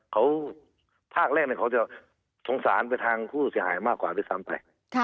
เขาภาคแรกเขาจะสงสารไปทางผู้เสียหายมากกว่าด้วยซ้ำไป